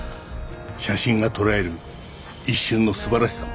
写真が捉える一瞬の素晴らしさ